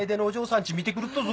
ち見てくるっとぞ！